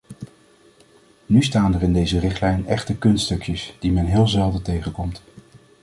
Nu staan er in deze richtlijn echte kunststukjes, die men heel zelden tegenkomt.